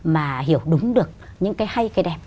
mà hiểu đúng được những cái hay cái đẹp